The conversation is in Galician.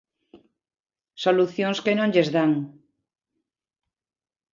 Solucións que non lles dan.